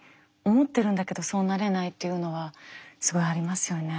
思ってるんだけどそうなれないっていうのはすごいありますよね。